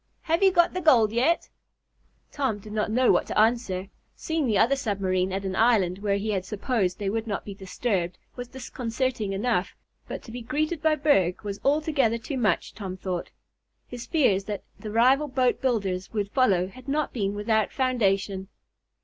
Have you got the gold yet?" Tom did not know what to answer. Seeing the other submarine, at an island where he had supposed they would not be disturbed, was disconcerting enough, but to be greeted by Berg was altogether too much, Tom thought. His fears that the rival boat builders would follow had not been without foundation.